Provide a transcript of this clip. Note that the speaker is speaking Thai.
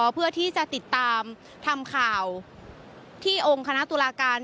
เพื่อที่จะติดตามทำข่าวที่องค์คณะตุลาการ